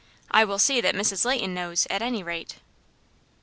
I will see that Mrs. Leighton knows, at any rate."